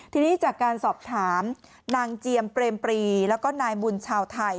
ทีนี้จากการสอบถามนางเจียมเปรมปรีแล้วก็นายบุญชาวไทย